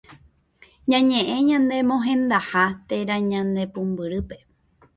Ñañe'ẽ ñane mohendaha térã ñane pumbyrýpe